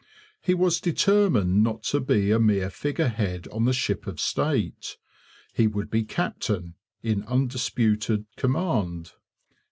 He was determined not to be a mere figurehead on the ship of state; he would be captain, in undisputed command.